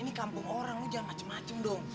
ini kampung orang lo jangan macem macem dong